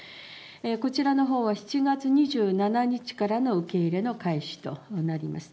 こちらのほうは７月２７日からの受け入れの開始となります。